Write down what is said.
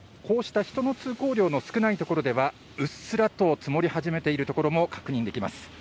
こうした人の通行量の少ない所ではうっすらと積もり始めているところも確認できます。